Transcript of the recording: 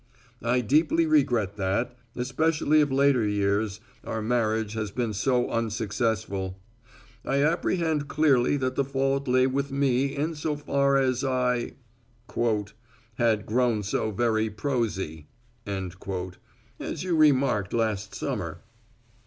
"I deeply regret that, especially of later years, our marriage has been so unsuccessful. I apprehend clearly that the fault lay with me insofar as I quote had grown so very prosy end quote as you remarked last summer.